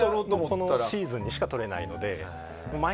このシーズンにしか撮れないので。